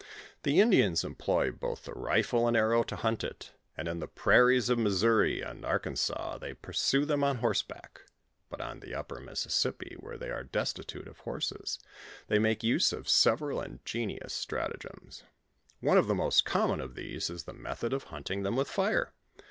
The Indians employ botli the rifle and the arrow to hunt it, and in the prairies of Missouri and Arkan sas, they pursue them on horseback ; but on the upper Mississippi, where they are destitute of horses, they make use of several ingenious stratogems. One of the most common of these, is the method of hunting them with fire.